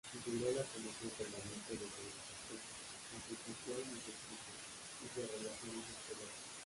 Integró la Comisión permanente de Legislación, Constitución y Justicia y de Relaciones Exteriores.